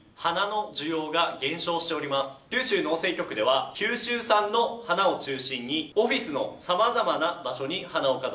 九州農政局では九州産の花を中心にオフィスのさまざまな場所に花を飾っています。